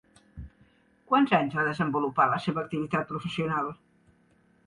Quants anys va desenvolupar la seva activitat professional?